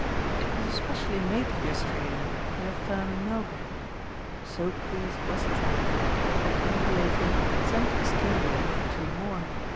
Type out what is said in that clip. It was especially made for the Australian by a firm in Melbourne. So pleased was Trent with it that he, later, sent to Australia for two more.